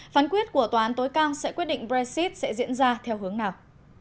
phán quyết của tòa án tối cao sẽ quyết định brexit sẽ diễn ra theo hướng nào